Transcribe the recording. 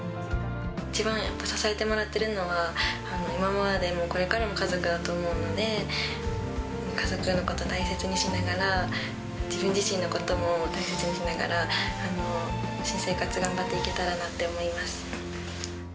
一番支えてもらっているのは、今までもこれからも家族だと思うので、家族のことを大切にしながら、自分自身のことも大切にしながら、新生活頑張っていけたらなって思います。